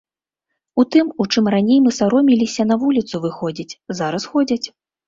У тым, у чым раней мы саромеліся на вуліцу выходзіць, зараз ходзяць.